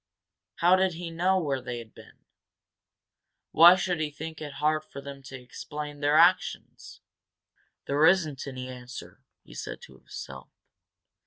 How did he know where they had been? Why should he think it would be hard for them to explain their actions? "There isn't any answer," he said to himself.